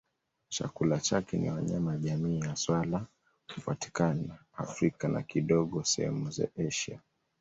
Chakula chake ni wanyama jamii ya swala hupatikana Afrika na kidogo sehemu za Asia.